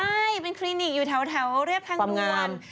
ใช่เป็นคลินิกอยู่แถวเรียบทางด่วน